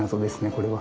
これは。